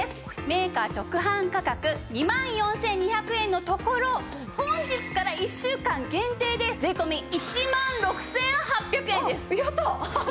メーカー直販価格２万４２００円のところ本日から１週間限定で税込１万６８００円です。